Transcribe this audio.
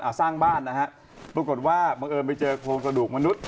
สร้างบ้านนะฮะปรากฏว่าบังเอิญไปเจอโครงกระดูกมนุษย